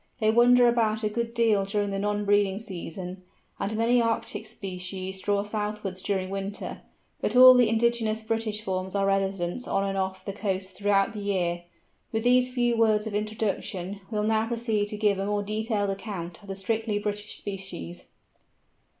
They wander about a good deal during the non breeding season, and many Arctic species draw southwards during winter, but all the indigenous British forms are residents on and off the coasts throughout the year. With these few words of introduction we will now proceed to give a more detailed account of the strictly British species.